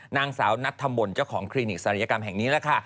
นางสาวนัดทำบนเจ้าของคลีนิกสรรยากรรมแห่งนี้